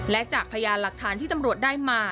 และจากพยานหลักฐานที่ตำรวจได้มา